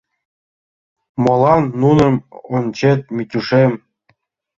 — Молан нуным ончет, Митюшем?